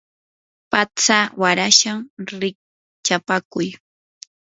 patsa warashnam rikchapakuy.